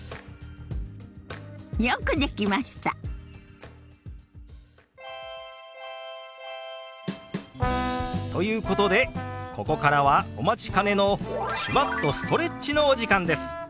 よくできました！ということでここからはお待ちかねの手話っとストレッチのお時間です！